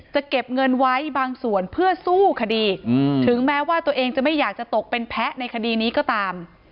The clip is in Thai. จะเก็บเงินไว้บางส่วนเพื่อสู้คดีถึงแม้ว่าตัวเองจะไม่อยากจะตกเป็นแพ้ในคดีนี้ก็ตาม